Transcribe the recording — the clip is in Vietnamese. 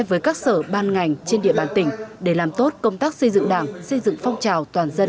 với các sở ban ngành trên địa bàn tỉnh để làm tốt công tác xây dựng đảng xây dựng phong trào toàn dân